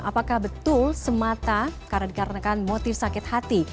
apakah betul semata karena dikarenakan motif sakit hati